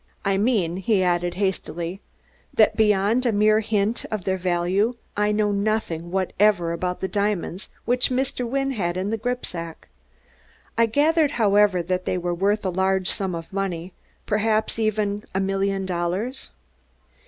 I mean," he added hastily, "that beyond a mere hint of their value I know nothing whatever about the diamonds which Mr. Wynne had in the gripsack. I gathered, however, that they were worth a large sum of money perhaps, even a million dollars?"